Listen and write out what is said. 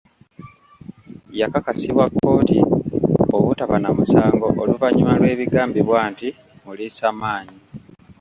Yakakasibwa kkooti obutaba na musango oluvannyuma lw'ebigambibwa nti muliisamaanyi.